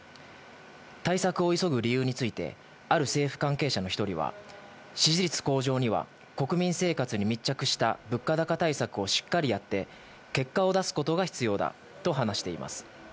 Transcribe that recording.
対策を急ぐ理由について、ある政府関係者の１人は、支持率向上には国民生活に密着した物価高対策をしっかりやって、結果を出すことが必要だと話しています。